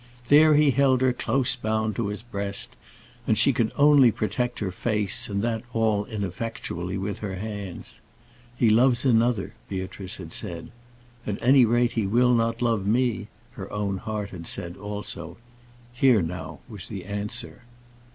There he held her close bound to his breast, and she could only protect her face, and that all ineffectually, with her hands. "He loves another," Beatrice had said. "At any rate, he will not love me," her own heart had said also. Here was now the answer.